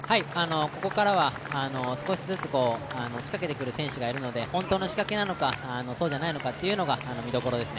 ここからは少しずつ仕掛けてくる選手がいるので本当の仕掛けなのかそうじゃないのかというのが見どころですね。